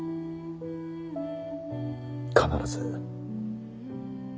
必ず。